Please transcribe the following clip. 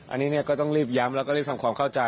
อันนี้ก็ต้องรีบย้ำแล้วก็รีบทำความเข้าใจ